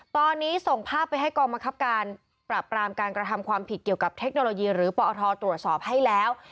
ตอนนี้ส่งภาพไปให้กองบังคับการปราบปรามการกระทำความผิดเกี่ยวกับเทคโนโลยีหรือปอทตรวจสอบให้แล้ว